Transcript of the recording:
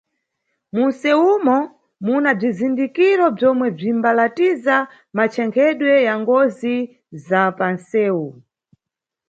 Munʼsewumo muna bzizindikiro bzomwe bzimbalatiza machenkhedwe ya ngozi za panʼsewu.